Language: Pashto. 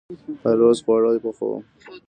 هره ورځ خواړه پخوم